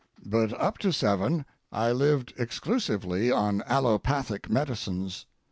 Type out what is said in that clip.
But up to seven I lived exclusively on allopathic medicines.